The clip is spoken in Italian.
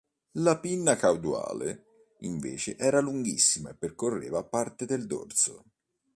La pinna caudale, invece, era lunghissima e percorreva parte del dorso.